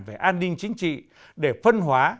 về an ninh chính trị để phân hóa